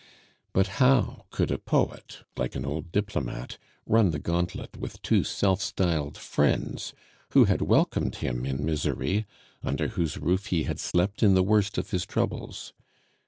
But how could a poet, like an old diplomate, run the gauntlet with two self styled friends, who had welcomed him in misery, under whose roof he had slept in the worst of his troubles?